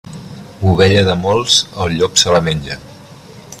Ovella de molts, el llop se la menja.